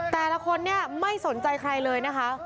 แต่ละคนเนี่ยไม่สนใจใครเลยนะคะ